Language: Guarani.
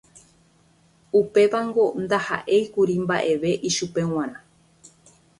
Upévango ndaha'éikuri mba'eve ichupe g̃uarã